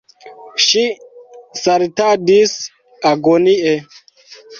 Ŝi saltadis agonie.